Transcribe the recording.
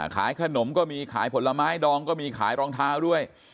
ขายขนมก็มีขายผลไม้ดองก็มีขายรองเท้าด้วย